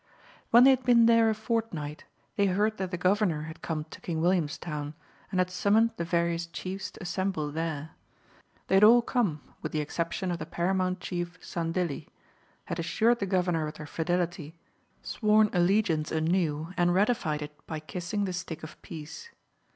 When they had been there a fortnight they heard that the Governor had come to King Williamstown, and had summoned the various chiefs to assemble there. They had all come with the exception of the paramount Chief Sandilli, had assured the Governor of their fidelity, sworn allegiance anew, and ratified it by kissing the stick of peace.